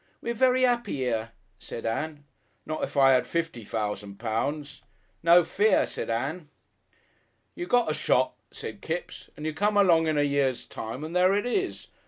"We're very 'appy 'ere," said Ann. "Not if I 'ad fifty fousand pounds." "No fear," said Ann. "You got a shop," said Kipps, "and you come along in a year's time and there it is.